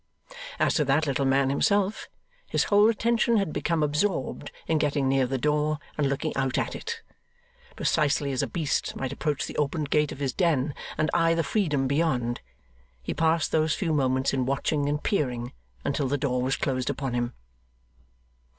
As to that little man himself, his whole attention had become absorbed in getting near the door and looking out at it. Precisely as a beast might approach the opened gate of his den and eye the freedom beyond, he passed those few moments in watching and peering, until the door was closed upon him.